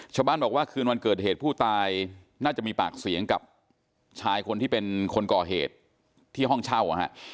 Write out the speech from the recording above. ชาวบ้านบอกว่าคืนวันเกิดเหตุผู้ตายน่าจะมีปากเสียงกับชายคนที่เป็นคนก่อเหตุที่ห้องเช่า